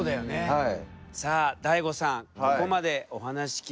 はい。